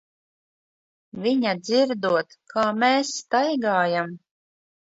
Viņa dzirdot, kā mēs staigājam.